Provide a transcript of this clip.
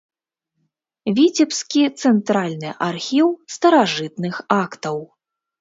Віцебскі цэнтральны архіў старажытных актаў.